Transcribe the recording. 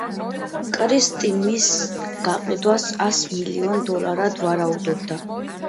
კრისტი მის გაყიდვას ას მილიონ დოლარად ვარაუდობდა.